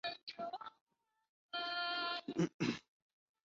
这些深层的缺点可能在经历数百万年后变得甚为重要。